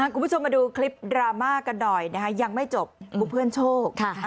คุณผู้ชมมาดูคลิปดราม่ากันหน่อยนะคะยังไม่จบอุเพื่อนโชค